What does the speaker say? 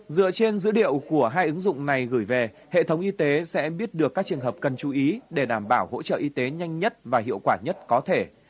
dựa trên dữ liệu của hai ứng dụng này gửi về hệ thống y tế sẽ biết được các trường hợp cần chú ý để đảm bảo hỗ trợ y tế nhanh nhất và hiệu quả nhất có thể